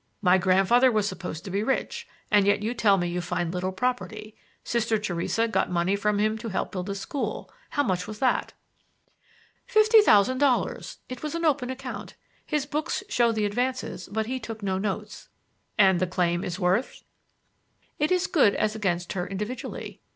"My grandfather was supposed to be rich, and yet you tell me you find little property. Sister Theresa got money from him to help build a school. How much was that?" "Fifty thousand dollars. It was an open account. His books show the advances, but he took no notes." "And that claim is worth—?" "It is good as against her individually.